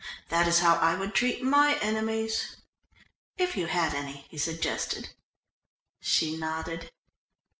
That is how I would treat my enemies." "If you had any," he suggested. She nodded.